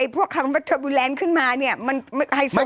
พวกทางเทอร์บูแลนต์ขึ้นมามันไฮโซก็